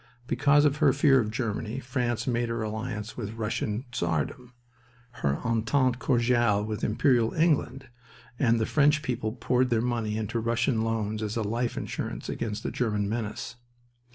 Because of her fear of Germany France made her alliance with Russian Czardom, her entente cordiale with Imperial England, and the French people poured their money into Russian loans as a life insurance against the German menace.